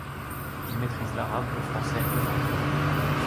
Il maîtrise l'arabe, le français et l'anglais.